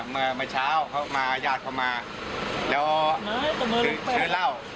เมื่อเมื่อเช้าเขามาญาติเขามาแล้วซื้อเหล้า